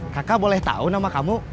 kakak boleh tahu nama kamu